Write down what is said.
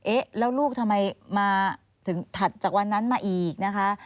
เอ๊ะแล้วลูกทำไมมาถึงถัดจากวันนั้นมาอีกนะคะ